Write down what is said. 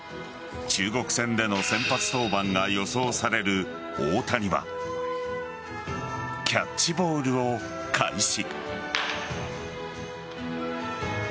中国戦での先発登板が予想される大谷はキャッチボールを開始。